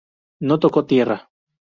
No tocó tierra.